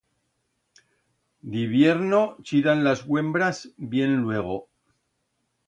D'hibierno chiran las uembras bien luego.